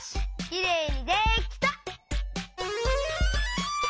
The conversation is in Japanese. きれいにできた！